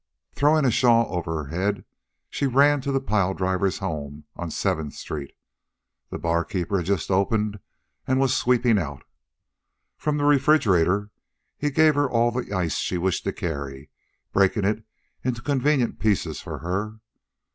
Throwing a shawl over her head, she ran to the Pile Drivers' Home on Seventh street. The barkeeper had just opened, and was sweeping out. From the refrigerator he gave her all the ice she wished to carry, breaking it into convenient pieces for her.